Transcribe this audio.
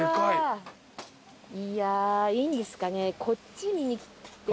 いやいいんですかねぇこっちに。